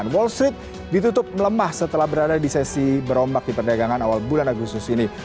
wall street ditutup melemah setelah berada di sesi berombak di perdagangan awal bulan agustus ini